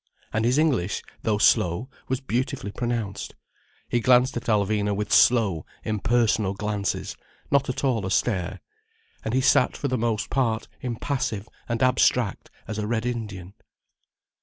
And his English, though slow, was beautifully pronounced. He glanced at Alvina with slow, impersonal glances, not at all a stare. And he sat for the most part impassive and abstract as a Red Indian.